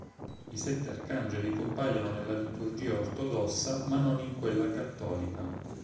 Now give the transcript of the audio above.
I sette arcangeli compaiono nella liturgia ortodossa ma non in quella cattolica.